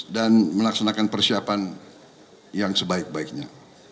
dan melaksanakan persiapan yang sebaik baiknya